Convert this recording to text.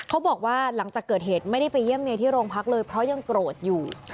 เขาบอกว่าหลังจากเกิดเหตุไม่ได้ไปเยี่ยมเมียที่โรงพักเลยเพราะยังโกรธอยู่